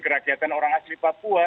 kerakyatan orang asli papua